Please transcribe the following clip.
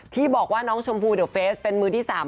ที่บอกว่าน้องชมพู่เดอะเฟสเป็นมือที่๓